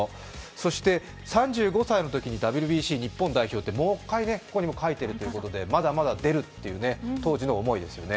そして３５歳のときにＷＢＣ日本代表ってもう１回ここにも書いているということで、まだまだ出るという、当時の思いですよね。